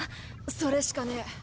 それしかねえ。